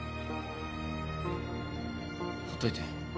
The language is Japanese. ほっといて。